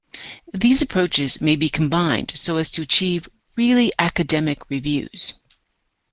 These approaches may be combined so as to achieve really academic reviews.